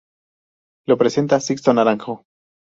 Lo presenta Sixto Naranjo.